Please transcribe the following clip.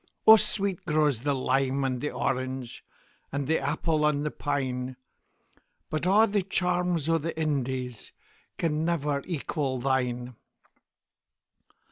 O sweet grows the lime and the orange, And the apple on the pine; But a' the charms o' the IndiesCan never equal thine.